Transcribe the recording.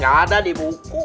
nggak ada di buku